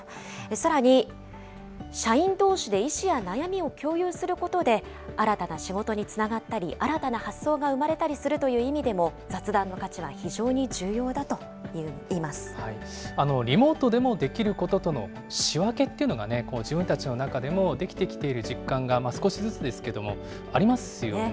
さらに、社員どうしで意思や悩みを共有することで、新たな仕事につながったり、新たな発想が生まれたりするという意味でも、雑談の価値は非常にリモートでもできることとの仕分けっていうのが、自分たちの中でもできている実感が、少しずつですけれども、ありますよね。